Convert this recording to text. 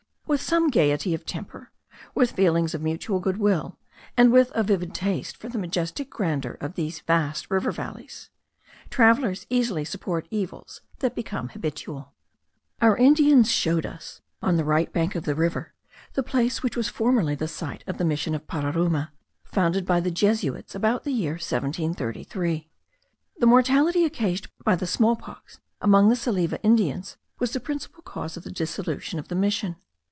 With some gaiety of temper, with feelings of mutual good will, and with a vivid taste for the majestic grandeur of these vast valleys of rivers, travellers easily support evils that become habitual. Our Indians showed us, on the right bank of the river, the place which was formerly the site of the Mission of Pararuma, founded by the Jesuits about the year 1733. The mortality occasioned by the smallpox among the Salive Indians was the principal cause of the dissolution of the mission.